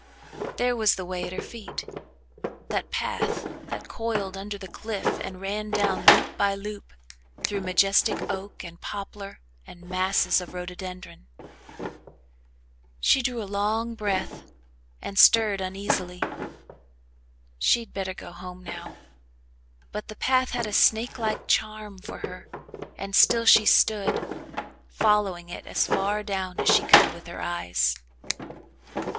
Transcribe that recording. There was the way at her feet that path that coiled under the cliff and ran down loop by loop through majestic oak and poplar and masses of rhododendron. She drew a long breath and stirred uneasily she'd better go home now but the path had a snake like charm for her and still she stood, following it as far down as she could with her eyes.